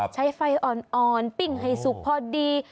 ใช้ไฟอ่อนปิ้งให้สุกพอดี